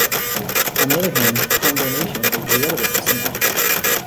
On the other hand, condonation is irrelevant to some acts.